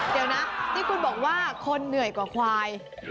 เดี๋ยวนะที่คุณบอกว่าคนเหนื่อยกว่าควาย